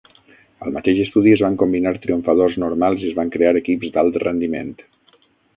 Al mateix estudi, es van combinar triomfadors normals i es van crear equips d'alt rendiment.